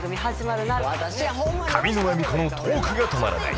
［上沼恵美子のトークが止まらない］